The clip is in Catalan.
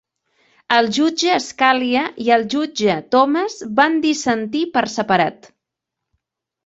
El jutge Scalia i el jutge Thomas van dissentir per separat.